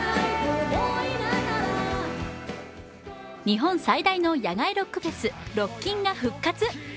日本最大の野外ロックフェスロッキンが復活。